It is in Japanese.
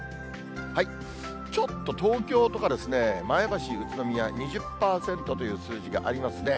ちょっと東京とかですね、前橋、宇都宮、２０％という数字がありますね。